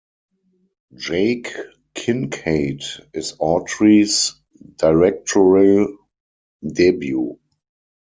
Jake Kincaid is Autry's directorial debut.